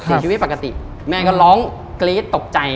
ชีวิตปกติแม่ก็ร้องกรี๊ดตกใจ